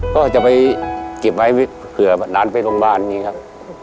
ก็จะไปเก็บไว้เผื่อนานไปโรงพยาบาล